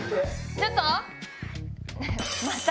ちょっと？